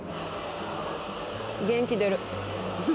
元気出る。